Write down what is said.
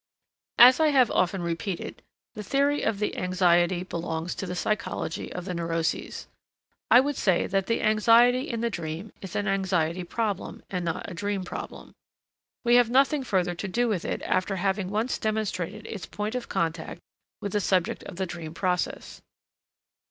As I have often repeated, the theory of the anxiety belongs to the psychology of the neuroses. I would say that the anxiety in the dream is an anxiety problem and not a dream problem. We have nothing further to do with it after having once demonstrated its point of contact with the subject of the dream process.